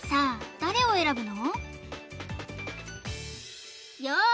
誰を選ぶの？